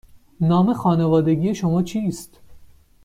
نام خانوادگی شما چیست؟